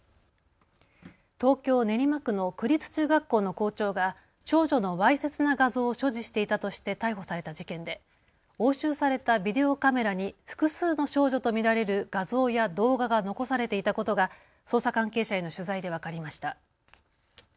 東京練馬区の区立中学校の校長が少女のわいせつな画像を所持していたとして逮捕された事件で押収されたビデオカメラに複数の少女と見られる画像や動画が残されていたことが捜査関係者への取材で分かりました。